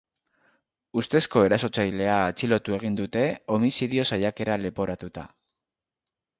Ustezko erasotzailea atxilotu egin dute homizidio saiakera leporatuta.